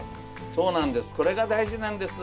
そうなんです